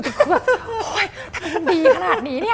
โอ้ยคลุกดีขนาดนี้เนี้ย